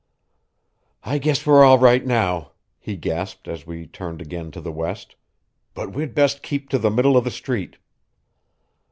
"I guess we're all right now," he gasped, as we turned again to the west, "but we'd best keep to the middle of the street."